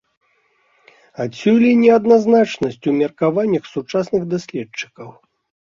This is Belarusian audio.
Адсюль і неадназначнасць у меркаваннях сучасных даследчыкаў.